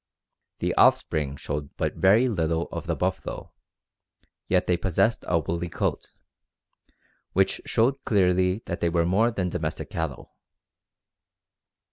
The offspring showed but very little of the buffalo, yet they possessed a woolly coat, which showed clearly that they were more than domestic cattle.